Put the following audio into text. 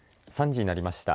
３時になりました。